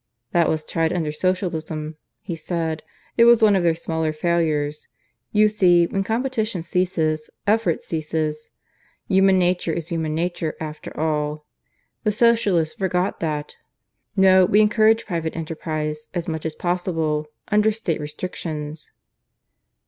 "That was tried under Socialism," he said. "It was one of their smaller failures. You see, when competition ceases, effort ceases. Human nature is human nature, after all. The Socialists forgot that. No; we encourage private enterprise as much as possible, under State restrictions."